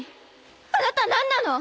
あなたなんなの！？